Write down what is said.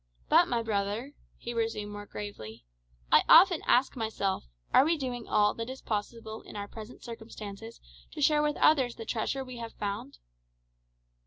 "But, my brother," he resumed more gravely, "I often ask myself, are we doing all that is possible in our present circumstances to share with others the treasure we have found?"